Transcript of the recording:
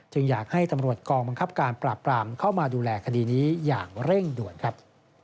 อยากให้ตำรวจกองบังคับการปราบปรามเข้ามาดูแลคดีนี้อย่างเร่งด่วนครับ